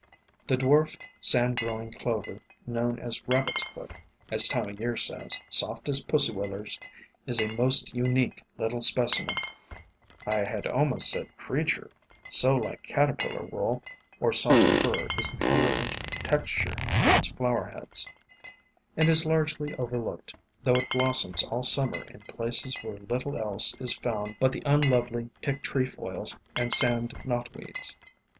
The dwarf, sand growing Clover, known as Rabbit's Foot, — as Time o' Year says, "soft as Pussy Willers," — is a most unique little specimen WAYFARERS 285 (I had almost said creature, so like caterpillar wool or soft fur is the color and texture of its flower heads), and is largely overlooked, though it blos soms all Summer in places where little else is found but the un lovely Tick Tre foils and Sand Knotweeds.